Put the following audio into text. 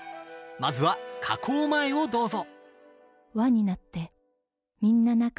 まずは加工前をどうぞ。